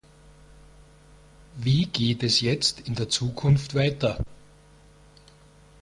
Wie geht es jetzt in der Zukunft weiter?